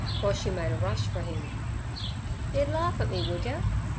Boshy made a rush for him. 'Ye'd larf at me, would yer?